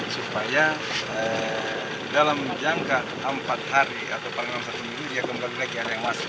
supaya dalam jangka empat hari atau paling dalam satu minggu dia kembali lagi ada yang masuk